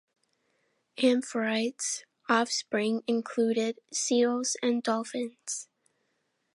Amphitrite's offspring included seals and dolphins.